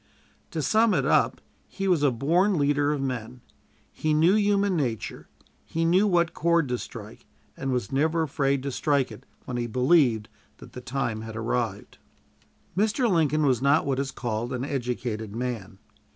To sum it up, he was a born leader of men. He knew human nature; he knew what chord to strike, and was never afraid to strike it when he believed that the time had arrived. Mr. Lincoln was not what is called an educated man.